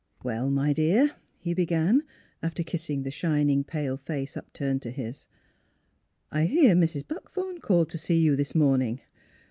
" Well, my dear," he began, after kissing the shining pale face upturned to his, " I hear Mrs. Buckthorn called to see you this morning.